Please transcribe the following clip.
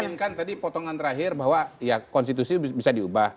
saya inginkan tadi potongan terakhir bahwa ya konstitusi bisa diubah